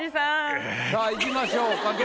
さぁいきましょう。